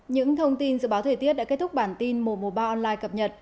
những thông tin dự báo thời tiết đã kết thúc bản tin mùa mùa ba online cập nhật